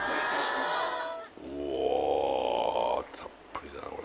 おおたっぷりだな